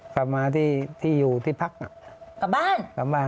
กลับมาที่อยู่ที่พักน่ะกลับบ้านกลับบ้าน